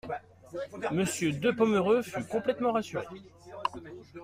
Monsieur de Pomereux fut complètement rassuré.